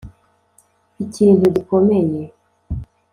ikintu gikomeye